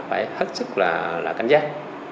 thì phải hất chức là cảnh giác